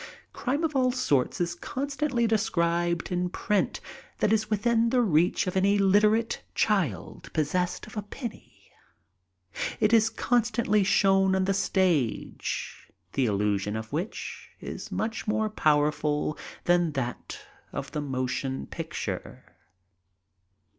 Crime of all sorts is constantly described in print that is within the reach of any liter ate child possessed of a penny. It is constantly shown on the stage, the illusion of which is much m<N:e pow erful than that of the motion picture.